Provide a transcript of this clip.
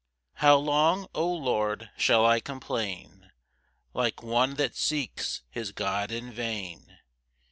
1 How long, 0 Lord, shall I complain Like one that seeks his God in vain?